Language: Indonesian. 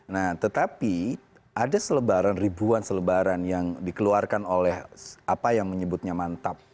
nah tetapi ada selebaran ribuan selebaran yang dikeluarkan oleh apa yang menyebutnya mantap